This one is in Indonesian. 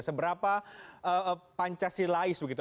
seberapa pancasilais begitu